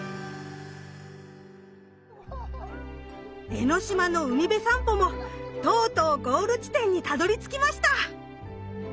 江の島の海辺さんぽもとうとうゴール地点にたどりつきました！